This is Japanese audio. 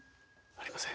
ありません。